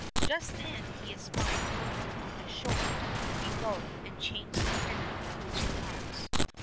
158 Fairy Tale Bears Just then he espied Bruin on the shore be low, and changed the tenor of his remarks.